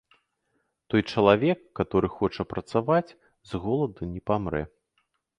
Той чалавек, каторы хоча працаваць, з голаду не памрэ.